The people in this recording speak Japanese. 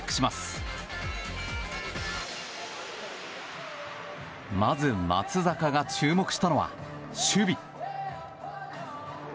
まず、松坂が注目したのは守備。